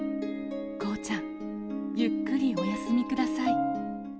工ちゃん、ゆっくりお休みください。